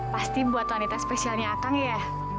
pasti buat wanita spesialnya kang ya